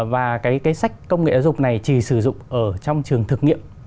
và cái sách công nghệ giáo dục này chỉ sử dụng ở trong trường thực nghiệm